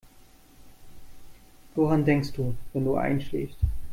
Woran denkst du, wenn du einschläfst?